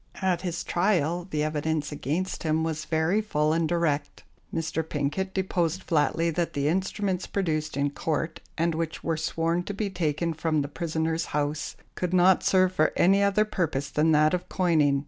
At his trial the evidence against him was very full and direct. Mr. Pinket deposed flatly that the instruments produced in Court, and which were sworn to be taken from the prisoner's house, could not serve for any other purpose than that of coining.